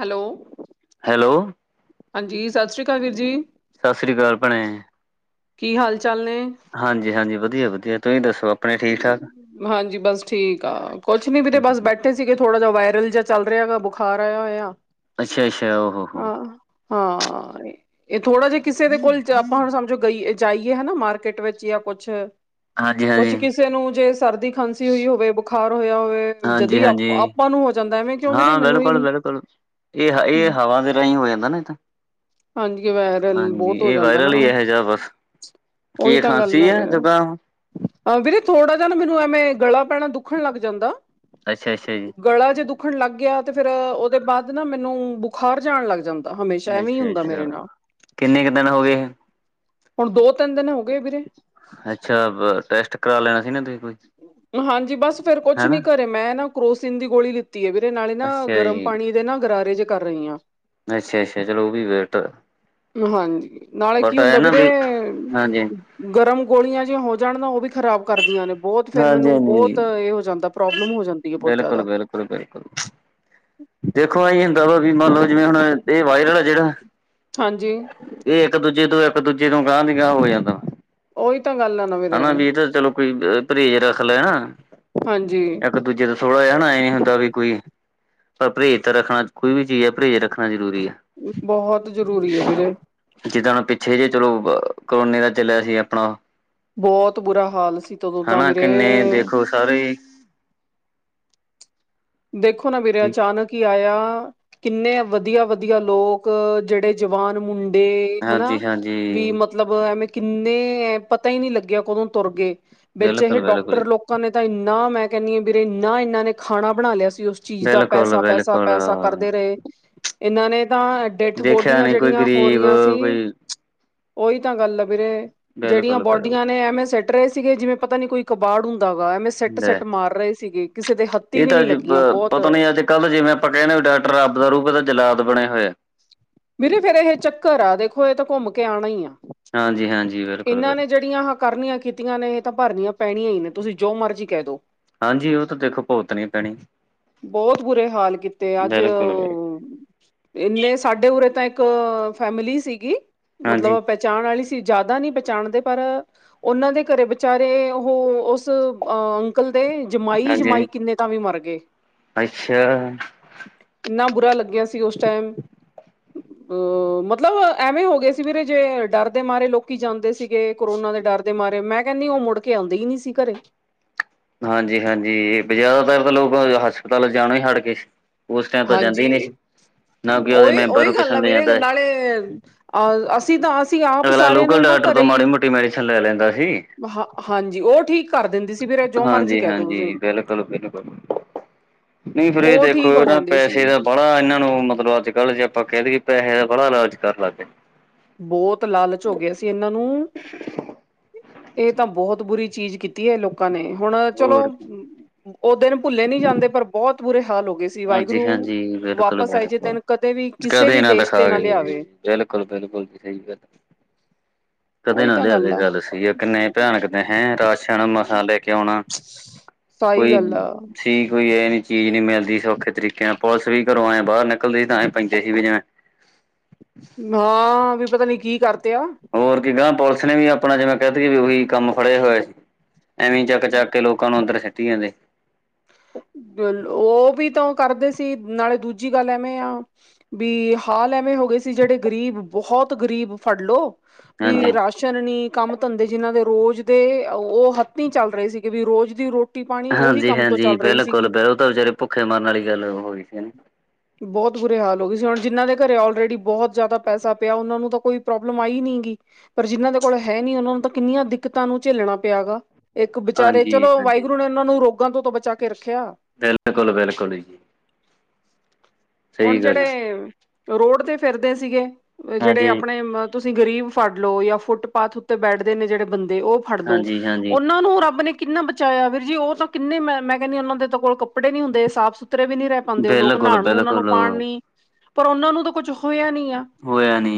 Hello. Hello. ਹਾਂਜੀ ਸਸਿ ਸ਼੍ਰੀਕਾਲ ਵੀਰ ਜੀ। ਸਸਿਰੀ ਕਾਲ ਭੈਣੇ, ਕੀ ਹਾਲ ਚਾਲ ਨੇ ਹਾਂਜੀ ਹਾਂਜੀ ਵਧੀਆ ਵਧੀਆ ਤੁਹੀ ਦੱਸੋ। ਆਪਣੇ ਠੀਕ ਠਾਕ ਹਾਂਜੀ ਬਸ ਠੀਕ ਆ, ਕੁਛ ਨੀ ਵੀਰੇ ਬਸ ਬੈਠੇ ਬੈਠੇ ਸੀਗੇ ਥੋੜ੍ਹਾ ਜਿਹਾ ਵਾਇਰਲ ਜਾ ਚੱਲ ਰਿਹਾਗਾ ਬੁਖਾਰ ਆਇਆ ਹੋਇਆ। ਅੱਛਾ ਅੱਛਾ ਓ ਹੋ ਹੋ। ਹਾਂ ਹਾਂ, ਇਹ ਥੋੜਾ ਜਿਹਾ ਕਿਸੇ ਦੇ ਕੋਲ ਆਪਾਂ ਹੁਣ ਸਮਝੋ ਗਈ ਏ ਜਾਈਏ ਹਨਾ ਮਾਰਕੀਟ ਵਿੱਚ ਜਾਂ ਕੁਛ ਹਾਂਜੀ ਕੁਛ ਹਾਂਜੀ। ਕਿਸੇ ਨੂੰ ਜੇ ਸਰਦੀ- ਖਾਂਸੀ ਹੋਈ ਹੋਵੇ, ਬੁਖਾਰ ਹੋਇਆ ਹੋਵੇ ਹਾਂਜੀ ਜਦੀ, ਹਾਂਜੀ ਆਪਾਂ ਨੂੰ ਹੋ ਜਾਂਦਾ ਐਵੇਂ ਕਿਉਂ ਵੀਰੇ ਹਾਂ ਮੈਨੂੰ ਵੀ ਬਿਲਕੁਲ ਬਿਲਕੁਲ ਇਹ, ਇਹ ਹਵਾ ਦੇ ਰਾਹੀਂ ਹੋ ਜਾਂਦਾ ਨਾ ਤਾਂ ਹਾਂਜੀ ਵਾਇਰਲ ਹਾਂਜੀ, ਬਹੁਤ ਹੋ ਇਹ ਜਾਂਦਾ ਨਾ ਵਾਇਰਲ ਈ ਇਹੋ ਜਿਹਾ ਬਸ ਉਹੀ ਕੀ ਤਾਂ ਗੱਲ ਖਾਂਸੀ ਆ ਐ ਵੀਰੇ ਜੁਕਾਮ ਵੀਰੇ ਥੋੜਾ ਜ ਨਾ ਮੈਨੂੰ ਐਵੇਂ ਗਲਾ ਪੈਣਾ ਦੁੱਖਣ ਲੱਗ ਜਾਂਦਾ ਅੱਛਾ ਅੱਛਾ ਜੀ। ਗਲਾ ਜੇ ਦੁੱਖਣ ਲੱਗ ਗਿਆ ਤੇ ਫਿਰ ਉਹਦੇ ਬਾਅਦ ਨਾ ਮੈਨੂੰ ਬੁਖਾਰ ਜਾ ਆਣ ਲੱਗ ਜਾਂਦਾ। ਹਮੇਸ਼ਾ ਐਵੇਂ ਈ ਅੱਛਾ ਹੁੰਦਾ ਮੇਰੇ ਅੱਛਾ ਨਾਲ। ਕਿੰਨੇ ਕੁ ਦਿਨ ਹੋ ਗਏ ਹੁਣ ਦੋ- ਤਿੰਨ ਦਿਨ ਹੋ ਗਏ ਵੀਰੇ। ਅੱਛਾ ਵ ਟੈਸਟ ਕਰਾ ਲੈਣਾ ਸੀ ਨਾ ਤੁਹੀ। ਹਾਂਜੀ ਬਸ ਫਿਰ ਕੁਛ ਨੀ ਘਰੇ ਮੈਂ ਨਾ ਕਰੋਸੀਨ ਦੀ ਗੋਲੀ ਲੀ। ਲਿੱਤੀ ਆ ਵੀਰੇ ਨਾਲੇ ਨਾ ਅੱਛਾ ਗਰਮ ਜੀ ਪਾਣੀ ਦੇ ਨਾ ਗਰਾਰੇ ਜ ਕਰ ਰਹੀ ਆ। ਅੱਛਾ ਅੱਛਾ ਚਲੋ ਉਹ ਵੀ ਵੇਟ ਹਾਂਜੀ, ਨਾਲੇ ਬਟ ਕੀ ਹੁੰਦਾ ਇਹ ਨਾ ਵੀਰੇ ਵੀ ਹਾਂਜੀ ਗਰਮ ਗੋਲੀਆਂ ਜਿਆਂ ਹੋ ਜਾਣ ਨਾ ਉਹ ਵੀ ਖ਼ਰਾਬ ਕਰਦੀਆਂ ਨੇ ਬਹੁਤ ਫਿਰ ਹਾਂਜੀ ਮੈਨੂੰ ਹਾਂਜੀ ਬਹੁਤ ਇਹ ਹੋ ਜਾਂਦਾ। ਪ੍ਰੋਬਲਮ ਹੋ ਜਾਂਦੀ। ਹੈ ਬਹੁਤ ਬਿਲਕੁਲ ਜ਼ਿਆਦਾ ਬਿਲਕੁਲ। ਬਿਲਕੁਲ, ਦੇਖੋ ਇ ਹੁੰਦਾ ਵਾ ਵੀ ਮੰਨ ਲਓ, ਜਿਵੇਂ ਹੁਣ ਇਹ ਵਾਇਰਲ ਆ ਜਿਹੜਾ ਹਾਂਜੀ। ਇਹ ਇੱਕ ਦੂਜੇ ਤੋਂ ਇੱਕ ਦੂਜੇ ਤੋਂ ਗਾਂਹ ਦੀ ਗਾਂਹ ਹੋ ਜਾਂਦਾ। ਉਹੀ ਤਾਂ ਗੱਲ ਆ। ਨਾ ਵੀਰੇ ਹਨਾ ਵੀ ਇਹ ਤਾਂ ਚਲੋ ਕੋਈ ਪਰਹੇਜ਼ ਰੱਖ ਲੈਣ ਹਾਂਜੀ ਇੱਕ ਦੂਜੇ ਦਾ ਥੋੜਾ ਜਿਹਾ ਨਾ ਐ ਹੁੰਦਾ ਵੀ ਕੋਈ ਪ ਪਰਹੇਜ ਤਾਂ ਰੱਖਣਾ ਕੋਈ ਵੀ ਚੀਜ਼ ਐ ਪਰਹੇਜ ਰੱਖਣਾ ਜਰੂਰੀ ਐ। ਬਹੁਤ ਜ਼ਰੂਰੀ ਐ ਵੀਰੇ। ਜਿੱਦਾਂ ਹੁਣ ਪਿੱਛੇ ਜਿ ਚਲੋ ਕਰੋਨੇ ਦਾ ਚੱਲਿਆ ਸੀ ਆਪਣਾ। ਬਹੁਤ ਬੁਰਾ ਹਾਲ ਸੀ। ਤਦੋਂ ਤਾਂ ਹਨਾ ਵੀਰੇ ਕਿੰਨੇ ਦੇਖੋ ਸਾਰੇ। ਦੇਖੋ ਨਾ ਵੀਰਾ ਅਚਾਨਕ ਈ ਆਇਆ। ਕਿੰਨੇ ਵਧੀਆ- ਵਧੀਆ ਲੋਕ ਜਿਹੜੇ ਜਵਾਨ ਮੁੰਡੇ ਮੁੰਡੇ ਹਨਾ ਹਾਂਜੀ ਹਾਂਜੀ ਵੀ ਮਤ ਮਤਲਬ ਐਵੇਂ ਕਿੰਨੇ ਪਤਾ ਈ ਨਈ ਲਗਿਆ ਕਦੋਂ ਤੁਰ ਗਏ, ਵਿੱਚ ਇਹ ਬਿਲਕੁਲ ਬਿਲਕੁਲ ਡਾਕਟਰ ਲੋਕ ਲੋਕਾਂ ਨੇ ਤਾਂ ਇੰਨਾ ਮੈਂ ਕਹਿੰਨੀ ਆ ਵੀਰੇ, ਇੰਨਾ ਇਹਨਾਂ ਨੇ ਖਾਣਾ ਬਣਾ ਲਿਆ ਸੀ ਉਸ ਚੀਜ਼ ਦਾ ਬਿਲਕੁਲ ਪੈਸਾ, ਪੈਸਾ, ਬਿਲਕੁਲ ਪੈਸਾ ਕਰਦੇ ਰਹੇ ਇਹਨਾਂ ਨੇ ਤਾਂ ਡੈਥ ਦੇਖਿਆ ਬੋਡੀਆਂ ਨੀ ਕੋਈ ਜੋੜੀਆਂ ਹੋ ਗਰੀਬ ਰੀਆਂ ਸੀ ਕੋਈ ਓਈ ਤਾ ਗਾੱਲ ਆ ਵੀਰੇ, ਜੇੜੀਆਂ ਬਿਲਕੁਲ ਬਿਲਕੁਲ ਬੋਡੀਆਂ ਨੇ ਐਵੇਂ ਸੇੱਟ ਸੇੱਟ ਰੇ ਸੀਗੇ ਜਿਵੇਂ ਪਤਾ ਨੀ ਕੋਈ ਕਬਾੜ ਹੁੰਦਾ ਵਾ, ਐਵੇਂ ਸੇੱਟ ਸੇੱਟ ਮਾਰ ਰੇ ਸੀਗੇ, ਕਿਸੇ ਦੇ ਹੱਥ ਏ ਤਾਂ ਅੱਜ ਪ ਪਤਾ ਨੀ ਐ ਤੇ ਕੱਲ ਜਿਵੇਂ ਆਪਾਂ ਕੈਨੇ ਆਂ ਬੀ ਡਾਕਟਰ ਰੱਬ ਦਾ ਰੂਪ ਏ ਤੇ ਜਲਾਦ ਬਣੇ ਹੋਏ ਐ। ਵੀਰੇ ਫੇਰ ਏਹੇ ਚੱਕਰ ਆ, ਦੇਖੋ ਐ ਤਾ ਘੋੱਮ ਕੇ ਆਨਾ ਈ ਆ, ਹਾਂਜੀ ਹਾਂਜੀ ਬਿਲਕੁਲ ਏਨਾਂ ਬਿਲਕੁਲ ਨੇ ਜੇੜੀਆਂ ਹ ਕਰਨੀਆਂ ਕੀਤੀਆਂ ਨੇ ਏ ਤਾਂ ਭਰਨੀਆਂ ਪੈਣੀਆਂ ਈ ਨੇ, ਤੁਸੀ ਜੋ ਮਰਜ਼ੀ ਕੈ ਦੋ। ਹਾਂਜੀ, ਓ ਤਾ ਦੇਖੋ ਭੁਗਤਨੀ ਪੈਨੀ। ਬੋਤ ਬੁਰੇ ਹਾਲ ਕੀਤੇ ਅੱਜ ਬਿਲਕੁਲ ਬਿਲਕੁਲ ਅ ਏਨੇ ਸਾਡੇ ਉਰੇ ਤਾਂ ਏੱਕ ਫੈਮਿਲੀ ਸੀਗੀ ਹਾਂਜੀ ਮਤਲਬ ਪੈ ਚਾਨ ਆਲੀ ਸੀ, ਜਾਦਾ ਨੀ ਪਚਾਣਦੇ ਪਰ ਓਨਾਂ ਦੇ ਘਰੇ ਵਿਚਾਰੇ, ਓਹੋ ਓਸ ਅ ਅੰਕਲ ਦੇ ਹਾਂਜੀ ਜਮਾਈ-ਜਮਾਈ ਕਿੰਨੇ ਤਾਂ ਵੀ ਮਾਰ ਗੇ। ਅੱਛਾ। ਏਨਾਂ ਬੁਰਾ ਲੱਗੇਆ ਸੀ ਓਸ ਟੈਮ ਅ ਮਤਲਬ ਐਵੇਂ ਹੋ ਗੇਆ ਸੀ ਵੀਰੇ ਜੇ ਡਾਰਦੇ ਮਾਰੇ ਲੋਕੀ ਜਾਂਦੇ ਸੀ। ਗੇ, ਕੋਰੋਨਾ ਦੇ ਡਾਰ ਦੇ ਮਾਰੇ ਮੈਂ ਕੈਨੀ ਓ ਮੁੜ ਕੇ ਓਂਦੇ ਈ ਨੀ ਸੀ ਘਰੇ। ਹਾਂਜੀ-ਹਾਂਜੀ ਬ ਜਾਦਾਤਰ ਤਾਂ ਲੋਕ ਹਸਪਤਾਲਾ ਚ ਜਾਨਾ ਹੀ ਹੜ ਗੇ। ਓਸ ਟਾਈਮ ਤਾ ਜਾਂਦੇ ਈ ਨੀ ਸੀ। ਨਾ ਕਿ ਉਹਦੇ ਓਈ- ਮੈਂਬਰ ਓਈ ਨੂੰ ਕਿਸੇ ਗਾੱਲ ਆ ਨੂੰ ਲੈ ਜਾਂਦਾ ਵੀਰੇ ਹੈ। ਨਾਲੇ ਆ ਅਸੀ ਤਾਂ ਅਸੀ ਆਪ ਸਾਰੇਆਂ ਨੇ ਵੀ ਨਾ ਕਰ ਉਦੋਂ ਮਾੜੀ ਮੋਟੀ ਮੈਡੀਸਨ ਲੈ ਲੈਂਦਾ ਸੀ। ਹਾ, ਹਾਂਜੀ ਓ ਠੀਕ ਕਾਰ ਦੇਨ। ਹਾਂਜੀ-ਹਾਂਜੀ, ਬਿਲਕੁਲ-ਬਿਲਕੁਲ ਨੀ ਫਿਰ ਏ ਉਹ ਦੇਖੋ ਠੀਕ ਹੋ ਨਾ ਜਾਂਦੀ ਸੀ ਪੈਸੇ ਦਾ ਬੜਾ ਏਨਾਂ ਨੂੰ ਮਤਲਬ ਅੱਜ-ਕੱਲ ਜੇ ਆਪਾਂ ਕੈ ਦੇਈਏ ਪੈਹੇ ਦਾ ਬੜਾ ਲਾਲਚ ਕਾਰ ਲੱਗ ਗੇ ਨੇ। ਬੋਤ ਲਾਲਚ ਹੋ ਗੇਆ ਸੀ ਏਨਾਂ ਨੂੰ ਏ ਤਾ ਬੋਤ ਬੁਰੀ ਚੀਜ਼ ਕੀਤੀ ਏ ਲੋਕਾਂ ਨੇ, ਹੁਣ ਚਲੋ ਹੋਰ ਓ ਦਿਨ ਭੁੱਲੇ ਨੀ ਜਾਂਦੇ ਪਰ ਬੋਤ ਬੁਰੇ ਹਾਲ ਹੋ ਗੇ ਸੀ, ਹਾਂਜੀ ਵਾਏਗੁਰੂ। ਹਾਂਜੀ ਬਿਲਕੁਲ ਵਾਪਸ ਆਏ ਜੇ ਬਿਲਕੁਲ ਦੇੱਨ ਕਦੇ ਵੀ ਕਿਸੇ ਵੀ ਦੇਸ਼ ਤੇ ਨਾ ਲਿਆਵੇ। ਬਿਲਕੁਲ-ਬਿਲਕੁਲ ਜੀ ਸਈ ਗਾੱਲ ਕਦੇ ਉਹੀ ਨਾ ਤਾਂ ਗੱਲ ਲਿਆਵੇ ਆ ਗਾੱਲ ਸਈ ਆ, ਕਿੰਨੇ ਭਿਆਨਕ ਨੇ ਹੈਂ ਰਾਸ਼ਨ ਮਸਾਂ ਲੈ ਕੇ ਓਣਾ। ਸਹੀ ਕੋਈ ਗੱਲ ਆ ਕਿ ਕੋਈ ਐ ਨੀ ਚੀਜ਼ ਨੀ ਮਿਲਦੀ ਸੌਖੇ ਤਰੀਕੇ ਨਾਲ, ਪੁਲਸ ਵੀ ਘਰੋਂ ਆਯਾਂ ਬਾਰ ਨਿਕਲਦੇ ਸੀ ਤਾਂਂ ਐਹੈਂ ਪੈਂਦੇ ਸੀ ਵੀ ਜਿਵੇਂ ਨਾ ਵੀ ਪਤਾ ਨੀ ਕੀ ਕਾਰਤੇ ਆ ਹੋਰ ਕੀ ਗਾਂ ਪੁਲਸ ਨੇ ਵੀ ਅਪਣਾ ਜਿਵੇਂ ਕੈ ਤੀਏ ਓਈ ਕਾੰਮ ਫੜੇਆ ਹੋਏਆ ਸੀ। ਐਵੇਂ ਚਾੱਕ ਚਾੱਕ ਕੇ ਲੋਕਾਂ ਨੂੰ ਅੰਦਰ ਸਿੱਟੀ ਜਾਂਦੇ ਸੀ। ਓ ਵੀ ਤਾ ਓ ਕਾਰਦੇ ਸੀ, ਨਾਲੇ ਦੂਜੀ ਗਾੱਲ ਐਵੇਂ ਆ ਵੀ ਹਾਲ ਐਵੇਂ ਹੋ ਗੇ ਸੀ ਜੇੜੇ ਗਰੀਬ ਬੋਹੋਤ ਗਰੀਬ ਫਾੜ ਲੋ, ਹਾਂਜੀ ਵੀ ਰਾਸ਼ ਟੇਂਸ਼ਨ ਨੀ, ਕਾੱਮ ਧੰਦੇ ਜਿਨਾਂ ਦੇ ਰੋਜ਼ ਦੇ ਅ ਓ ਹੱਥੀ ਚੱਲ ਰੇ ਸੀਗੇ ਵੀ ਰੋਜ਼ ਦੀ ਰੋ ਰੋਟੀ, ਪਾਨੀ ਓਈ ਕਾੰਮ ਤੋ ਬਿਲਕੁਲ-ਬਿਲ ਓ ਤਾ ਵਿਚਾਰੇ ਭੁੱਖੇ ਮਰਨ ਆਲੀ ਗਾੱਲ ਹੋਗੀ ਸੀ ਬੋਤ ਬੁਰੇ ਹਾਲ ਹੋ ਗੇ ਸੀ। ਹੁਨ ਜਿਨਾਂ ਦੇ ਘਰੇ ਓਲਰੇਡੀ ਬੋਤ ਜਾਦਾ ਪੈਸਾ ਪੇਆ ਓਨਾਂ ਨੂੰ ਤਾਂ ਕੋਈ ਪ੍ਰੋਬਲਮ ਆਈ ਨੀ ਗੀ। ਪਰ ਜਿਨਾਂ ਦੇ ਕੋਲ ਹੈ ਨੀ ਓਨਾਂ ਨੂੰ ਤਾਂ ਕਿੰਨੀਆਂ ਦਿੱਕਤਾਂ ਨੂੰ ਝੇਲਣਾ ਪੇਆ ਹੈਗਾ। ਏੱਕ ਬੇਚਾਰੇ ਹਾਂਜੀ ਚਲੋ ਹਾਂਜੀ ਵਾਏਗੁਰੂ ਨੇ ਓਨਾਂ ਨੂੰ ਰੋਗਾਂ ਤੋਂ ਤਾਂ ਬਚਾ ਕੇ ਰੱਖੇਆ। ਬਿਲਤਕੁਲ-ਬਿਲਕੁਲ ਈ। ਹੁਣ ਗੱਲ ਜੇੜੇ ਰੋਡ ਤੇ ਫਿਰਦੇ ਸੀਗੇ, ਜੇੜੇ ਹਾਂਜੀ, ਆਪਣੇ ਮ ਤੁਸੀਂ ਗ਼ਰੀਬ ਫਾੜ ਲੋ ਯਾ ਫੁੱਟਪਾਥ ਉੱਤੇ ਬੈਠਦੇ ਨੇ ਜੇੜੇ ਬੰਦੇ ਓ ਫਾੜ ਲੋ, ਹਾਂਜੀ, ਹਾਂਜੀ ਓਨਾਂ ਨੂੰ ਰਾੱਬ ਨੇ ਕਿੰਨਾ ਬਚਾਯਾ, ਵੀਰ ਜੀ ਓ ਤਾਂ ਕਿੰਨੇ ਮੈਂ ਮੈਂ ਓਨਾਂ ਦੇ ਤਾਂ ਕੋਲ ਕੱਪੜੇ ਨੀ ਹੁੰਦੇ ਸਾਫ਼ ਸੁਥਰੇ ਵੀ ਨੀ ਰੈ ਪਾਦੇਂ ਉਹ ਲੋਕ, ਬਿਲਕੁਲ, ਨਹਾਉਣ ਨੂੰ ਓਨਾਂ ਨੂੰ ਬਿਲਕੁਲ ਪਾਨੀ ਪਰ ਓਨਾਂ ਨੂੰ ਤਾਂ ਕੋਛ ਹੋਯਾ ਨੀਂ ਆ। ਹੋਯਾ ਨੀ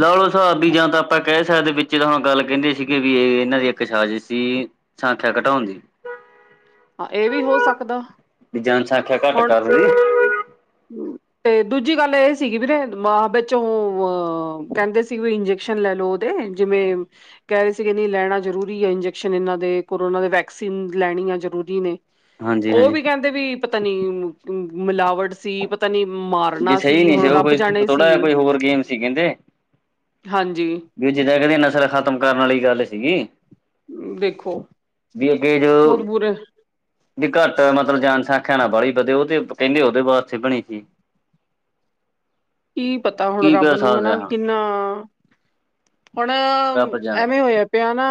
ਲਾਲੋ ਸਾਬ ਵੀ ਜਾਂ ਤਾਂ ਆਪਾਂ ਕੈ ਸਕਦੇ ਵਿੱਚ ਤਾਂ ਹੁਣ ਗੱਲ ਕੈਂਦੇ ਸੀਗੇ ਵੀ ਏ ਏਨਾਂ ਦੀ ਇੱਕ ਸਾਜ਼ਿਸ਼ ਸੀ ਸੰਖਿਆ ਘਟੋਂਣ ਦੀ। ਹਾਂ ਇਹ ਵੀ ਹੋ ਸਕਦਾ ਜਨਸੰਖਯਾ ਘੱਟ ਹੁਣ ਕਰ ਲਈ। ਤੇ ਦੂਜੀ ਗੱਲ ਐ ਸੀਗੀ ਵੀਰੇ ਮਾਂ ਵਿੱਚੋਂ ਅਹ ਕੈਂਦੇ ਸੀ ਵੀ ਸ਼ਨ ਲੈਲੋ ਓਦੇ ਜਿਵੇਂ ਕੈਰੇ ਸੀਗੇ ਨੀਂ ਲੈਣਾ ਜਰੂਰੀ ਏ ਇੰਜੈਕਸ਼ਨ ਏਨਾਂ ਦੇ ਕੋਰੋਨਾ ਦੇ ਵੈਕਸੀਨ ਲੈਣੀ ਆ ਜਰੂਰੀ ਨੇ, ਹਾਂਜੀ, ਹਾਂਜੀ ਓਵੀ ਕੈਂਦੇ ਵੀ ਪਤਾ ਨੀ ਮਿਲਾਵਟ ਪਤਾ ਸੀ। ਪਤਾ ਨੀਂ ਵੀ ਮਾਰਨਾ ਸਹੀ ਸੀ ਨੀ ਹੁਣ, ਉਹ ਰੱਬ ਕੋਈ ਜਾਣੇ ਥੋੜਾ ਸੀ ਜਿਹਾ ਕੋਈ ਹੋਰ ਗੇਮ ਸੀ ਕਹਿੰਦੇ ਹਾਂਜੀ। ਵੀ ਜਿੱਦਾਂ ਕਿੰਦੀ ਨਸਲ ਖਤਮ ਕਰਨ ਆਲੀ ਗੱਲ ਸੀਗੀ। ਦੇਖੋ ਵੀ ਅੱਗੇ ਜੋ ਬਹੁਤ ਬੁਰੇ ਵੀ ਘੱਟ ਮਤਲਬ ਜਨਸੰਖਆ ਨਾ ਵਾਲੀ ਵਧੇ ਓਤੇ ਕੈਂਦੇ ਓਦੇ ਵਾਸਤੇ ਬਣੀ ਸੀ‌। ਕੀ ਪਤਾ ਹੁਣ, ਕੀ ਰੱਬ ਕਰ ਨੂੰ ਸਕਦਾ ਹਨਾ ਹਾਂ ਕਿੰਨਾ ਹੋਣ ਰੱਬ ਜਾਣਦਾ ਐਵੇਂ ਹੋਇਆ ਪੇਆ ਨਾ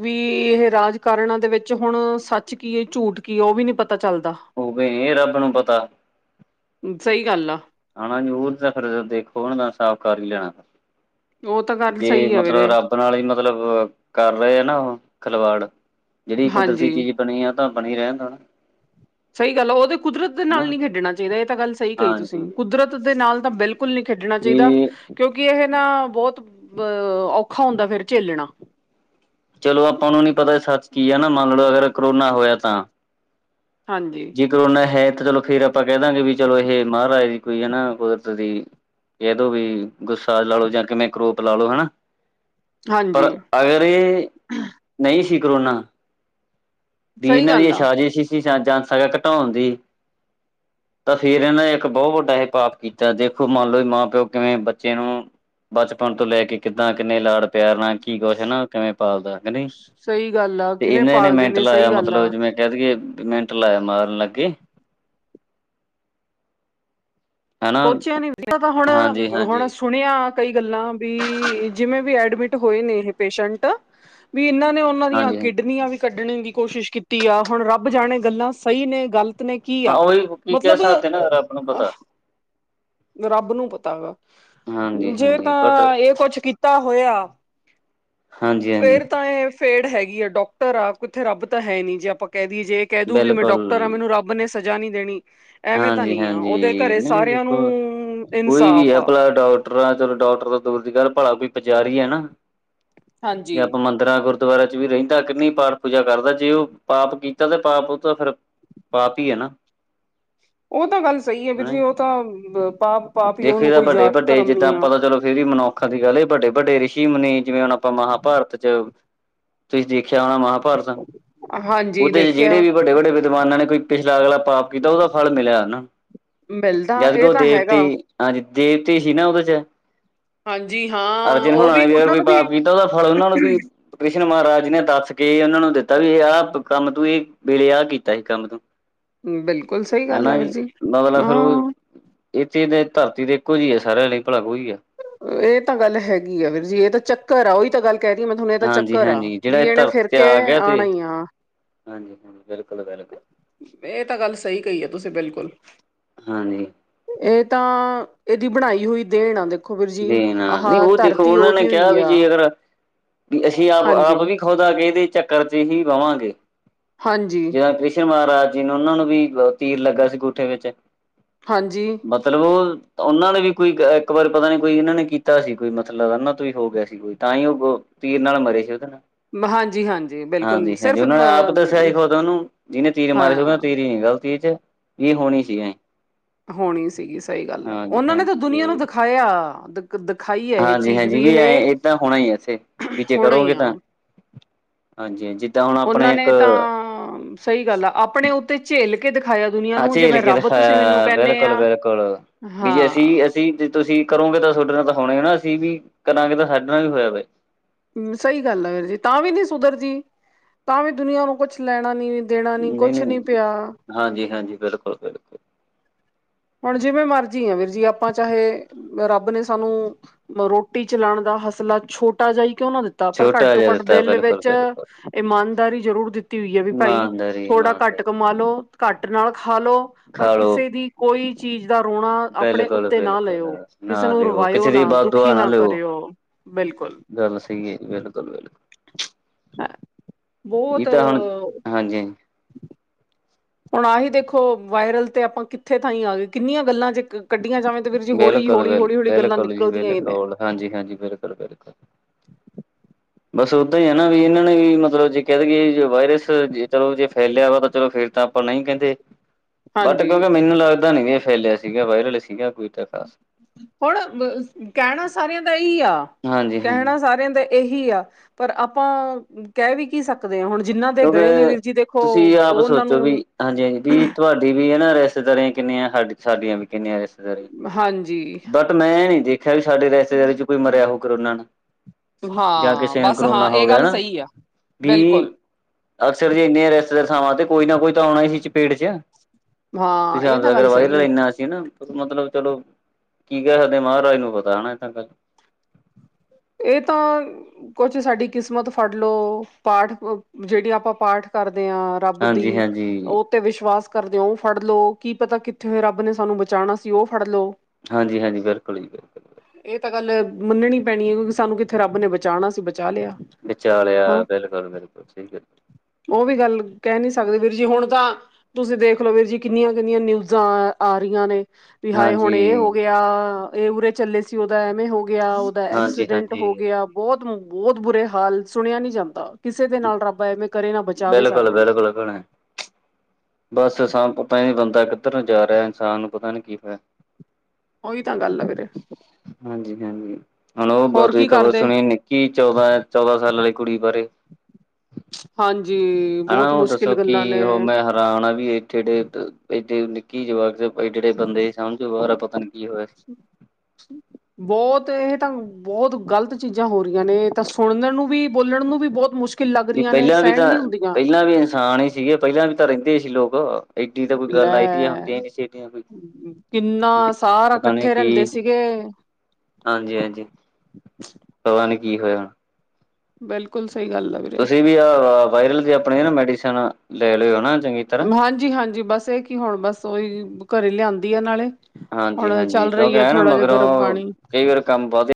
ਵੀ ਏਹ ਰਾਜਕਾਰਨ ਦੇ ਵਿੱਚ ਹੁਣ ਸੱਚ ਕੀ ਐ, ਝੂਠ ਕੀ ਐ, ਓਵੀ ਨੀ ਪਤਾ ਚੱਲਦਾ। ਹੋਵੇ ਰੱਬ ਨੂੰ ਪਤਾ। ਸਈ ਗੱਲ ਆ। ਆਣਾ ਜਰੂਰ ਤਾਂ ਫੇਰ ਦੇਖੋ ਨਾ ਤਾਂ ਸਾਫ ਕਰ ਈ ਲੈਣਾ। ਉਹ ਤਾਂ ਗੱਲ ਜੇ ਸਹੀ ਆ ਵੀਰੇ ਮਤਲਬ ਰੱਬ ਨਾਲ ਈ ਮਤਲਬ ਕਰ ਰਹੇ ਆ ਨਾ ਓ ਖਲਵਾੜ। ਜੇੜੀ ਕੁਦਰਤੀ ਹਾਂਜੀ ਚੀਜ ਬਣੀਆ ਓ ਤਾਂ ਬਣੀ ਰੈਂਣ ਦਿਉ‌ ਨਾ। ਸਈ ਗੱਲ ਆ। ਓਦੇ ਕੁਦਰਤ ਦੇ ਨਾਲ ਹਨਾ ਨਈਂ ਖੇਡਣਾ ਚਾਈਦਾ। ਏਹ ਤਾਂ ਗੱਲ ਸਈ ਕਹੀ ਤੁਸੀਂ ਹਾਂਜੀ ਕੁਦਰਤ ਦੇ ਨਾਲ ਤਾਂ ਬਿਲਕੁਲ ਨੀਂ ਖੇਡਣਾ ਚਾਈਦਾ। ਵੀ ਕਿਉਂਕਿ ਏਹ ਨਾ ਬੋਤ ਔਖਾ ਹੁੰਦਾ ਫੇਰ ਝੇਲਣਾ। ਚਲੋ ਆਪਾਂ ਨੂੰ ਨੀ ਪਤਾ ਸੱਚ ਕੀ ਐ ਨਾ ਮੰਨ ਲਓ, ਅਗਰ ਕਰੋਨਾ ਹੋਯਾ ਤਾਂ। ਹਾਂਜੀ। ਜੇ ਕਰੋਨਾ ਹੈ ਤਾਂ ਚਲੋ ਫੇਰ, ਆਪਾਂ ਕੈ ਦਾਂਗੇ ਵੀ ਚਲੋ ਐ ਮਹਾਰਾਜ ਦੀ ਕੋਈ ਹੈਨਾ, ਕੁਦਰਤ ਦੀ ਕੈ ਦੋ ਵੀ ਗੁੱਸਾ ਲਾਲਓ ਜਾਂ ਕਿਵੇਂ ਕਰੋਪ ਲਾਲੋ, ਹਨਾ। ਪਰ ਹਾਂਜੀ ਅਗਰਨ ਏ, ਨਈਂ ਸੀ ਕਰੋਨਾ ਦੀ ਸਹੀ ਏਨਾਂ ਦੀਆਂ ਗੱਲ ਆ ਸਾਜ਼ਿਸ਼ ਹੀ ਸੀ ਜਨਸਸੰਖਯਾ ਘਟੋਣ ਦੀ। ਤਾਂ ਫੇਰ ਏਨਾਂ ਨੇ ਏਕ ਬਹੋ ਵੱਡਾ ਏਹ ਪਾਪ ਕੀਤਾ ਦੇਖੋ, ਮੰਨ ਲਓ ਮਾਂ-ਪਿਓ ਕਿਵੇਂ ਬੱਚੇਆਂ ਨੂੰ ਬਚਪਨ ਤੋਂ ਲੈਕੇ ਕਿੱਦਾਂ ਕਿੰਨੇ ਲਾੜ ਪਿਆਰ ਨਾਲ ਕੀ ਕੁਛ ਨਾ ਓ ਕਿਵੇਂ ਪਾਲਦਾ ਨ, ਸਹੀ ਗੱਲ ਆ ਤੇ ਕਿਵੇਂ ਏਨੇ ਨੇੇ ਪਾਲਦੇ ਮਿੰਟ ਨੇ ਸਹੀ ਲਾਯਾ ਗੱਲ ਆ ਮਤਲਬ ਜਿਵੇਂ ਕੈ ਦਈਏ ਮਿੰਟ ਲਾਯਾ ਮਾਰਨ ਲੱਗੇ। ਹਨਾ ਸੋਚਿਆ ਨੀ ਜ ਤਾਂ ਹੁਣ ਹਾਂਜੀ ਹੁਣ ਹਾਂਜੀ ਸੁਣਿਆ ਕਈ ਗੱਲਾਂ ਵੀ ਜਿਵੇਂ ਵੀ ਐਡਮਿਟ ਹੋਏ ਨੇ ਏਹ ਪੇਸ਼ੰਟ ਵੀ ਇਨਾਂ ਨੇ ਉਨਾਂ ਦੀਆਂ ਹਾਂਜੀ ਹਾਂ ਕਿਡਨੀਆਂ ਵੀ ਕੱਢਣ ਦੀ ਕੋਸ਼ਿਸ਼ ਕੀਤੀ ਆ ਹੁਣ, ਰੱਬ ਜਾਣੇ ਗੱਲਾਂ ਸਈ ਨੇ ਗੱਲ ਨੇ ਕੀ ਹਾਂ ਆ ਉਹੀ ਕੀ ਕਹਿ ਮਤਲਬ ਸਕਦੇ ਨਾ ਰੱਬ ਨੂੰ ਅ ਪਤਾ ਰੱਬ ਨੂੰ ਪਤਾ ਗਾ ਹਾਂਜੀ ਜੇ ਹਾਂਜੀ ਬਟ ਤਾਂ ਏ ਕੁਛ ਕੀਤਾ ਹੋਯਾ ਹਾਂਜੀ ਫੇਰ ਹਾਂਜੀ ਤਾਂ ਏਹ ਫੇਡ ਹੈਗੀ ਆ ਡਾਕਟਰ ਆ ਕਿੱਥੇ ਰੱਬ ਤਾਂ ਹੈਨੀ ਜੇ ਆਪਾਂ ਕੈ ਦਈਏ ਜੇ ਕੈਹ ਦੂ ਵੀ ਮੈਂ ਬਿਲਕੁਲ ਡਾਕਟਰ ਆਂ, ਮੈਨੂੰ ਰੱਬ ਨੇ ਸਜਾਂ ਨੀ ਦੇਣੀ ਐਵੇਂ ਤਾਂ ਹਾਂਜੀ ਨੀ ਆ, ਓਦੇ ਹਾਂਜੀ ਘਰੇ ਨਹੀਂ ਨਹੀਂ ਸਾਰਿਆਂ ਦੇਖੋ ਨੂੰ ਇਨਸਾਫ਼ ਆ। ਮੈਂ ਕਿਹਾ ਚਲੋ ਡਾਕਟਰ ਤੋਂ ਦੁੂਰ ਦੀ ਗੱਲ, ਭਲਾ ਉਹ ਵੀ ਪਚਾਰੀ ਆ ਨਾ ਜੇ ਹਾਂਜੀ ਆਪਾਂ ਮੰਨ ਜਿਹਰਾਂ ਗੁਰਦੁਆਰਿਆਂ ਚ ਵੀ ਰਹਿੰਦਾ ਕਿੰਨੀ ਪਾਠ ਪੂਜਾ ਕਰਦਾ, ਜੇ ਉਹ ਪਾਪ ਕੀਤਾ ਤੇ ਪਾਪ ਉਹ ਤਾਂ ਫਿਰ ਪਾਪ ਈ ਐ ਨਾ ਉਹ ਤਾਂ ਗੱਲ ਸਹੀ ਐ, ਵੀ ਤੁਸੀਂ ਉਹ ਤਾਂ ਪਾ ਦੇਖ ਆ ਫ਼ੇਰ ਵੱਡੇ-ਵੱਡੇ ਜਿੱਦਾਂ ਪਤਾ ਚਲੋ ਫੇਰ ਵੀ ਮਨੁੱਖ ਅੱਖਾਂ ਦੀ ਗੱਲ ਏ ਵੱਡੇ- ਵੱਡੇ ਰਿਸ਼ੀ ਮੁਨੀ ਜਿਵੇਂ ਹੁਣ ਆਪਾਂ ਮਹਾਭਾਰਤ ਚ ਤੁਸੀਂ ਦੇਖਿਆ ਹੋਣਾ ਮਹਾਭਾਰਤ, ਹਾਂਜੀ ਉਹਦੇ ਚ ਜਿਹੜੇ ਦੇਖਿਆ ਵੀ ਵੱਡੇ- ਵੱਡੇ ਜਮਾਨਾਂ ਨੇ ਕੋਈ ਪਿਛਲਾ ਅਗਲਾ ਪਾਪ ਕੀਤਾ ਉਹਦਾ ਫਲ ਮਿਲਿਆ ਹਨਾ, ਮਿਲਦਾ ਜਦਕਿ ਇਹ ਉਹ ਤਾਂ ਤੇ ਹੈਗਾ ਹਾਂਜੀ, ਦੇਵਤੇ ਹੀ ਨਾ ਉਹਦੇ ਚ ਹਾਂਜੀ ਹਾਂ ਅਰਜਨ ਉਹ ਹੋਣਾ ਨੇ ਵੀ ਉਹਨਾਂ ਕੋਈ ਨੂੰ ਪਾਪ ਕੀਤਾ ਉਹਦਾ ਫਲ ਉਹਨਾਂ ਨੂੰ ਵੀ ਕ੍ਰਿਸ਼ਨ ਮਹਾਰਾਜ ਜੀ ਨੇ ਦੱਸ ਕੇ ਉਹਨਾਂ ਨੂੰ ਦਿੱਤਾ ਵੀ ਆਹ ਕੰਮ ਤੂਹੀ ਵੇਲੇ ਆਹ ਕੀਤਾ ਸੀ ਕੰਮ ਬਿਲਕੁਲ ਸਹੀ ਗੱਲ ਆ ਹਨਾ ਵੀਰ ਜੀ, ਮਤਲਬ ਫਿਰ ਓ ਹਾਂ ਇਥੇ ਤੇ ਧਰਤੀ ਤੇ ਇੱਕੋ ਜਿ ਆ ਸਾਰਿਆਂ ਲਈ ਭਲਾ ਕੋਈ ਵੀ ਆ। ਇਹ ਤਾਂ ਗੱਲ ਹੈਗੀ ਆ ਵੀਰ‌ ਜੀ, ਏ ਤਾਂ ਚੱਕਰ ਆ ਉਹੀ ਤਾਂ ਗੱਲ ਕਹਿ ਰਹੀ ਮੈਂ ਤੁਹਾਨੂੰ ਇਹਦਾ ਹਾਂਜੀ ਚੱਕਰ ਆ, ਹਾਂਜੀ ਜਿਹੜਾ ਵੀ ਇਹ ਇਹਨੇ ਧਰਤੀ ਫਿਰ ਤੇ ਕੇ ਆ ਗਿਆ ਆਣਾ ਤੇ ਹੀ ਆ। ਹਾਂਜੀ- ਹਾਂਜੀ ਬਿਲਕੁਲ- ਬਿਲਕੁਲ। ਏ ਤਾਂ ਗੱਲ ਸਹੀ ਕਹੀ ਐ ਤੁਸੀਂ ਬਿਲਕੁਲ। ਹਾਂਜੀ। ਇਹ ਤਾਂ ਇਹਦੀ ਬਣਾਈ ਹੋਈ ਦੇਣ ਆ ਦੇ ਦੇਖੋ ਵੀਰ ਜੀ ਦੇਣਾ ਨਹੀਂ ਆਹਾਂ ਉਹ ਦੇਖੋ ਧਰਤੀ ਉਹਨਾਂ ਨੇ ਉਹਦੀ ਓ ਕਿਹਾ ਈ ਵੀ ਆ। ਜੇ ਅਗਰ ਵੀ ਅਸੀਂ ਹਾਂਜੀ ਆਪ-ਆਪ ਵੀ ਖੁਦ ਆ ਏਦੇ ਚੱਕਰ ਚ ਹੀ ਰਵਾਂਗੇ ਹਾਂਜੀ ਜਿਦਾਂ ਪਿ ਮਹਾਰਾਜ ਜੀ ਨੂੰ ਉਹਨਾਂ ਨੂੰ ਵੀ ਤੀਰ ਲੱਗਾ ਸੀ ਗੂਠੇ ਵਿੱਚ। ਹਾਂਜੀ। ਮਤਲਬ ਉਹ ਉਹਨਾਂ ਨੇ ਵੀ ਕੋਈ ਇੱਕ ਵਾਰ ਪਤਾ ਨੀ ਕੋਈ ਇਹਨਾਂ ਨੇ ਕੀਤਾ ਸੀ ਕੋਈ ਮਤਲਬ ਇਹਨਾਂ ਤੋਂ ਵੀ ਹੋ ਗਿਆ ਸੀ ਕੋਈ, ਤਾਂ ਈ ਉਹ ਤੀਰ ਨਾਲ ਮਰੇ ਸੀ ਉਹਦੇ ਨਾਲ ਹਾਂਜੀ ਹਾਂਜੀ ਬਿਲਕੁਲ ਹਾਂਜੀ- ਹਾਂਜੀ ਸਿਰਫ ਉਹਨਾਂ ਮ ਨੇ ਆਪ ਦੱਸਿਆ ਸੀ ਖੁਦ ਉਹਨੂੰ ਜਿਹਨੇ ਤੀਰ ਮਾਰੇ ਸੀ ਹਾਂ ਤੇਰੀ ਨੀ ਗ਼ਲਤ ਤੇ ਚ ਵੀ ਹੋਣੀ ਸੀ ਐ। ਹੋਣੀ ਸੀਗੀ ਸਹੀ ਗੱਲ ਆ, ਹਾਂਜੀ ਉਹਨਾਂ ਨੇ ਤਾਂ ਹਾਂਜੀ ਦੁਨੀਆਂ ਨੂੰ ਦਿਖਾਇਆ ਦ ਦਿਖਾਈਂ ਹਾਂਜੀ-ਹਾਂਜੀ ਵੀ ਐਂ ਏਦਾਂ ਹੋਣਾ ਈ ਵੈਸੇ, ਵੀ ਜੇ ਹੋਣਾ ਹੀ ਕਰੋਗੇ ਆ ਤਾਂ ਹਾਂਜੀ-ਹਾਂਜੀ, ਜਿੱਦਾਂ ਹੁਣ ਆਪਣੇ ਉਹਨਾਂ ਇੱਕ ਨੇ ਤਾਂ ਸਹੀ ਗੱਲ ਆ, ਆਪਣੇ ਉੱਤੇ ਝੇਲ ਕੇ ਦਿਖਾਇਆ ਦੁਨੀਆਂ ਹਾਂ ਨੂੰ ਜਿਵੇਂ ਝੇਲ ਕੇ ਰੱਬ ਤੁਸੀਂ ਮੈਨੂੰ ਦਿਖਾਇਆ ਕਹਿੰਨੇ ਬਿਲਕੁਲ ਆ। ਬਿਲਕੁਲ ਵੀ ਜੇ ਹਾਂ ਅਸੀਂ-ਅਸੀਂ ਤੁਸੀਂ ਕਰੋਗੇ ਤਾਂ ਸੁਹਾਡੇ ਨਾਲ ਤਾਂ ਹੋਣੇ ਈ, ਨਾ ਅਸੀਂ ਵੀ ਕਰਾਂਗੇ ਤਾਂ ਸਾਡੇ ਨਾਲ ਵੀ ਹੋਇਆ ਵਾ ਏ। ਸਹੀ ਗੱਲ ਆ ਵੀਰ ਜੀ ਤਾਂ ਵੀ ਨੀ ਸੁਧਰੀ ਦੀ ਤਾਂ ਵੀ ਦੁਨੀਆਂ ਨੂੰ ਕੁੱਛ ਲੈਣਾ ਨੀ ਦੇਣਾ ਨੀ ਕੁੱਛ ਨੀ ਪਿਆ। ਹਾਂਜੀ-ਹਾਂਜੀ, ਬਿਲਕੁਲ-ਬਿਲਕੁਲ। ਹੁਣ ਜਿਵੇਂ ਮਰਜ਼ੀ ਆ ਵੀਰ ਜੀ, ਆਪਾਂ ਚਾਹੇ ਰੱਬ ਨੇ ਸਾਨੂੰ ਰੋਟੀ ਚਲਾਣ ਦਾ ਹਸਲਾ ਛੋਟਾ ਜਾ ਈ ਕਿਉਂ ਨਾ ਦਿੱਤ ਪਰ ਘੱਟ ਛੋਟਾ ਤੋਂ ਜਿਹਾ ਘੱਟ ਦਿੱਤਾ ਦਿਲ ਬਿਲਕੁਲ ਵਿੱਚ ਬਿਲਕੁਲ ਇਮਾਨਦਾਰੀ ਜ਼ਰੂਰ ਦਿੱਤੀ ਵੀ ਭਾਈ ਇਮਾਨਦਾਰੀ ਥੋੜਾ ਘੱਟ ਇਮਾਨਦਾਰੀ ਕਮਾਲੋ, ਘੱਟ ਨਾਲ ਖਾਲੋ ਪਰ ਖਾ ਲੋ ਕਿਸੇ ਦੀ ਕੋਈ ਚੀਜ਼ ਦਾ ਰੋਣਾ ਆਪਣੇ ਉੱਤੇ ਨਾ ਬਿਲਕੁਲ-ਬਿਲਕੁਲ ਲੈਓ ਕਿਸੇ ਨਾ ਨੂੰ ਲਿਓ ਰਵਾਇਓ ਕਿਸੇ ਦੀ ਨਾ, ਬਦ ਦੁਖੀ ਦੁਆ ਨਾ ਲਿਓ। ਕਰਿਓ ਬਿਲਕੁਲ ਗੱਲ ਸਹੀ ਐ ਜੀ, ਬਿਲਕੁਲ- ਬਿਲਕੁਲ। ਇਹ ਬਹੁਤ ਤਾਂ ਹੁਣ, ਹਾਂਜੀ-ਹਾਂਜੀ। ਹੁਣ ਆਹੀ ਦੇਖੋ ਵਾਇਰਲ ਤੇ, ਆਪਾਂ ਕਿੱਥੇ ਤਾਈਂ ਆਗੇ, ਕਿੰਨੀਆਂ ਗੱਲਾਂ ਜੇ ਕੱਢੀਆਂ ਜਾਵੇ ਤੇ ਵੀਰ ਜੀ ਬਿਲਕੁਲ ਹੌਲੀ-ਹੌਲੀ, ਬਿਲ ਹੌਲੀ-ਹੌਲੀ ਗੱਲਾਂ ਬਿਲਕੁਲ ਜੀ ਨਿਕਲਦੀਆਂ ਈ ਨੇ ਬਿਲਕੁਲ ਹਾਂਜੀ-ਹਾਂਜੀ, ਬਿਲਕੁਲ-ਬਿਲਕੁਲ। ਬਸ ਓਦਾਂ ਈ ਐ ਨਾ। ਵੀ ਇਹਨਾਂ ਨੇ ਵੀ, ਮਤਲਬ ਜੇ ਕਹਿ ਦਈਏ, ਜੋ ਵਾਇਰਸ ਜੇ ਚਲੋ, ਜੇ ਫੈਲਿਆ ਵਾ। ਫੇਰ ਚਲੋ, ਫੇਰ ਤਾਂ ਆਪਾਂ ਨਹੀਂ ਕਹਿੰਦੇ। ਬਟ, ਹਾਂਜੀ ਕਿਉਂਕਿ ਮੈਨੂੰ ਲੱਗਦਾ ਨੀ ਵੀ ਫ਼ੈਲਿਆ ਸੀਗਾ। ਵਾਇਰਲ ਸੀਗਾ ਕੋਈ ਤਾਂ ਖ਼ਾਸ ਹੁਣ ਬ ਕਹਿਣਾ ਸਾਰਿਆਂ ਦਾ ਏਈ ਆ। ਹਾਂਜੀ-ਹਾਂਜੀ ਕਹਿਣਾਂ ਸਾਰਿਆਂ ਦਾ ਇਹੀ ਆ। ਪਰ ਆਪਾਂ ਕਹਿ ਵੀ ਕੀ ਸਕ ਸਕਦੇ ਆ। ਹੁਣ ਜਿਨ੍ਹਾਂ ਦੇ ਗਏ ਨੇ ਕਿਉਂਕਿ ਵੀਰ ਜੀ ਦੇਖੋ, ਤੁਸੀਂ ਆਪ ਉਹ ਉਹਨਾਂ ਸੋਚੋ ਨੂੰ ਵੀ ਹਾਂਜੀ-ਹਾਂਜੀ। ਵੀ ਤੁਹਾਡੀ ਵੀ ਹੈਨਾ, ਰਿਸ਼ਤੇਦਾਰੀਆਂ ਕਿੰਨੀਆਂ। ਸਾਡੀਆਂ ਵੀ ਕਿੰਨੀਆਂ ਰਿਸ਼ਤੇਦਾਰੀਆਂ ਹਾਂਜੀ। ਬਟ, ਮੈਂ ਨੀ ਦੇਖਿਆ ਵੀ, ਸਾਡੇ ਰਿਸ਼ਤੇਦਾਰੀ 'ਚੌਂ ਕੋਈ ਮਰਿਆ ਹੋਊ, ਕਰੋਨਾ ਨਾ। ਜਾਂ ਹਾਂ ਕਿਸੇ ਨੂੰ ਬਸ ਕਰੋਨਾ ਹਾਂ ਇਹ ਹੋਗਿਆ ਗੱਲ ਹਨਾ। ਸਹੀ ਆ ਬੀ ਬਿਲਕੁਲ ਅਕਸਰ ਜੇ ਇੰਨੀਆਂ ਰਿਸ਼ਤੇਦਾਰ ਥਾਵਾਂ 'ਤੇ। ਕੋਈ ਨਾ ਕੋਈ ਤਾਂ ਆਉਣਾ ਹੀ ਚਪੇਟ 'ਚ ਹਾਂ ਤੁਸੀਂ ਇਹ ਆਪ ਤਾਂ ਦੁਆਵਾਂ ਗੱਲ ਕਰੋ, ਸਹੀ ਵਾਇਰਲ ਹੈ ਇੰਨਾਂ ਸੀ ਕੀ ਨਾ, ਮਤਲਬ ਚਲੋ। ਕੀ ਕਹਿ ਸਕਦੇ ਮਾਹਰਾਜ ਨੂੰ ਪਤਾ ਹਨਾ, ਇਹ ਤਾਂ ਗੱਲ। ਇਹ ਤਾਂ ਕੁਛ ਸਾਡੀ ਕਿਸਮਤ ਫੜਲੋ। ਪਾਠ, ਜਿਹੜੇ ਆਪਾਂ ਪਾਠ ਕਰਦੇ ਆਂ ਰੱਬ ਦੀ ਹਾਂਜੀ ਹਾਂਜੀ ਉਹ ਤੇ ਵਿਸ਼ਵਾਸ ਕਰਦੇ ਆਂ, ਉਹ ਫੜਲੋ। ਕੀ ਪਤਾ ਕਿੱਥੇ ਰੱਬ ਨੇ ਸਾਨੂੰ ਬਚਾਣਾ ਸੀ, ਉਹ ਫੜਲੋ। ਹਾਂਜੀ-ਹਾਂਜੀ। ਬਿਲਕੁਲ ਜੀ, ਬਿਲਕੁਲ। ਇਹ ਤਾਂ ਗੱਲ ਮੰਨਣੀ ਪੈਣੀ ਏ। ਕਿਉਂਕਿ ਸਾਨੂੰ ਕਿੱਥੇ ਰੱਬ ਨੇ ਬਚਾਣਾ ਸੀ ਬਚਾ ਲਿਆ। ਬਚਾ ਲਿਆ। ਹਾਂ ਬਿਲਕੁਲ-ਬਿਲਕੁਲ ਸਹੀ ਗੱਲ। ਉਹ ਵੀ ਗੱਲ ਕਹਿ ਨੀ ਸਕਦੇ ਵੀਰ ਜੀ। ਹੁਣ ਤਾਂ ਤੁਸੀਂ ਦੇਖਲੋ ਵੀਰ ਜੀ, ਕਿੰਨੀਆਂ-ਕਿੰਨੀਆਂ ਨਿਊਜਾਂ ਅ ਆ ਰਹੀਆਂ ਨੇ ਵੀ ਹਾਏ ਹੁਣ ਹਾਂਜੀ ਇਹ ਹੋ ਗਿਆ। ਇਹ ਉਰੇ ਚੱਲੇ ਸੀ, ਉਹਦਾ ਐਵੇਂ ਹੋ ਗਿਆ। ਉਹਦਾ ਹਾਂਜੀ ਐਕਸੀਡੈਂਟ ਹਾਂਜੀ ਕਿਆ ਬਹੁਤ-ਬਹੁਤ ਬੁਰੇ ਹਾਲ, ਸੁਣਿਆ ਨੀ ਜਾਂਦਾ। ਕਿਸੇ ਦੇ ਨਾਲ ਰੱਬ ਐਵੇਂ ਕਰੇ ਨਾ। ਬਚਾਵੇ ਬਿਲਕੁਲ ਸਾਰਿਆਂ ਨੂੰ ਬਿਲਕੁਲ ਭੈਣੇ, ਬਸ ਸਾਂਨ ਪਤਾ ਈ ਨੀ, ਬੰਦਾ ਕਿੱਧਰ ਨੂੰ ਜਾ ਰਿਹਾ। ਇਨਸਾਨ ਨੂੰ ਪਤਾ ਨੀ ਕੀ ਹੋਇਆ। ਓਈ ਤਾਂ ਗੱਲ ਫਿਰ ਹਾਂਜੀ, ਭੈਣ ਜੀ। ਹੁਣ ਉਹ ਬ ਹੋਰ ਤੁਹੀ ਕੀ ਖ਼ਬਰ ਕਰਦੇ ਸੁਣੀ ਹੀ, ਕੀ ਚੌਦਾਂ-ਚੌਦਾਂ ਸਾਲਾਂ ਦੀ ਕੁੜੀ ਬਾਰੇ। ਹਾਂਜੀ। ਹਨਾ। ਬਹੁਤ ਉਹ ਦੱਸੋ ਮੁਸ਼ਕਿਲ ਕਿ ਗੱਲਾਂ ਉਹ ਨੇ ਮੈਂ ਹਾਂ ਹਣਾ ਵੀ ਇੱਥੇ ਡੇ, ਏਡੇ ਨਿੱਕੀ ਜਵਾਕੜੀ, ਇਡੇ-ਇਡੇ ਬੰਦੇ ਸਮਝੋ ਬਾਰ ਆ। ਪਤਾ ਨੀ ਕੀ ਹੋਇਆ [inaudible] ਬਹੁਤ, ਇਹ ਤਾਂ ਬਹੁਤ ਗ਼ਲਤ ਚੀਜ਼ਾਂ ਹੋ ਰ‌ਹੀਆਂ ਨੇ। ਇਹ ਤਾਂ ਸੁਣਨ ਨੂੰ ਵੀ, ਬੋਲਣ ਨੂੰ ਵੀ, ਬਹੁਤ ਮੁਸ਼ ਵੀ ਪਹਿਲਾਂ ਵੀ ਤਾਂ, ਪਹਿਲਾਂ ਵੀ ਇਨਸਾਨ ਈ ਸੀਗੇ। ਪਹਿਲਾਂ ਵੀ ਤਾਂ ਰਹਿੰਦੇ ਈ ਸੀ ਲੋਕ ੲੈਡੀ ਤਾਂ ਕੋਈ ਗੱਲ ਲੈ ਆਈਦੀਆ ਹੁੰਦੀਆਂ ਈ ਨੀ ਸੀ ਐਡੀਆਂ। ਜ ਕਿੰਨਾ ਸਾਰਾ ਪਤਾ ਨਹੀਂ ਇਕੱਠੇ ਕੀ ਰਹਿੰਦੇ ਸੀਗੇ ਹਾਂਜੀ-ਹਾਂਜੀ। ਪਤਾ ਨੀ ਕੀ ਹੋਇਆ ਬਿਲਕੁਲ, ਸਹੀ ਗੱਲ ਆ। ਵੀਰੇ ਤੁਸੀਂ ਵੀ ਆਹ ਵਾਇਰਲ ਦੀ ਆਪਣੀ ਨਾ, ਮੈਡੀਸਨ ਲੈ ਲਿਓ ਹਨਾ ਚੰਗੀ ਤਰ੍ਹਾਂ ਹਾਂਜੀ-ਹਾਂਜੀ। ਬਸ ਇਹ ਕੀ, ਹੁਣ ਬਸ ਓਈ, ਘਰੇ ਲਿਆਂਦੀ ਆ ਨਾਲੇ ਹੁਣ ਹਾਂਜੀ-ਹਾਂਜੀ। ਚੱਲ ਰਹੀ ਕਿਉਂਕਿ ਆ ਐ ਨਾ ਥੋੜਾ ਜਿਹਾ ਗਰਮ ਮਗਰੋਂ, ਪਾਣੀ ਕਈ ਵਾਰ ਕੰਮ ਬਹੁਤ